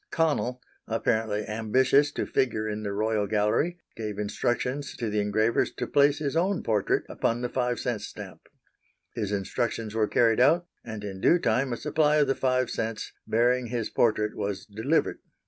Connell, apparently ambitious to figure in the royal gallery, gave instructions to the engravers to place his own portrait upon the 5 cents stamp. His instructions were carried out, and in due time a supply of the 5 cents bearing his portrait was delivered.